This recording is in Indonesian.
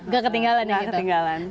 gak ketinggalan ya gitu